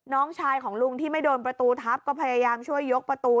น้องชายของลุงที่ไม่โดนประตูทับก็พยายามช่วยยกประตู